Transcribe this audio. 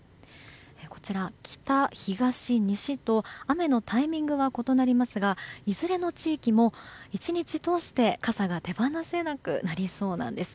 北、東、西と雨のタイミングが異なりますがいずれの地域も１日通して傘が手放せなくなりそうなんです。